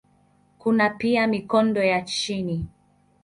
Kuna pia mikondo ya chini.